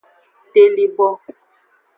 Telibo.